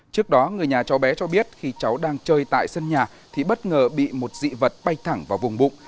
trước đó người nhà cháu bé cho biết khi cháu đang chơi tại sân nhà thì bất ngờ bị một dị vật bay thẳng vào vùng bụng